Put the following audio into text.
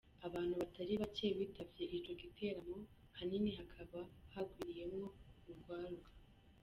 Abantu batari bake bitavye ico giteramo, ahanini hakaba hagwiriyemwo urwaruka.